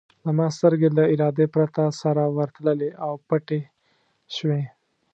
زما سترګې له ارادې پرته سره ورتللې او پټې شوې.